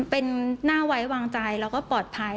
เป็นน่าไว้วางใจแล้วก็ปลอดภัย